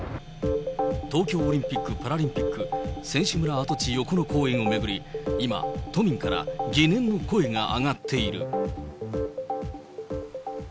東京オリンピック・パラリンピック選手村跡地横の公園を巡り、今、都民から疑念の声が上がっている。